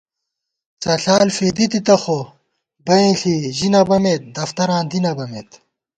څݪال فېدِی تِتہ خو، بئیں ݪی ژِی نہ بَمېت، دفتراں دی نہ بَمېت